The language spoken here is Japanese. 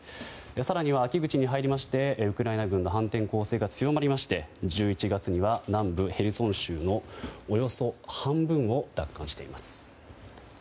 更には秋口に入りましてウクライナ軍の反転攻勢が強まりまして１１月には南部ヘルソン州のおよそ半分を奪還しています。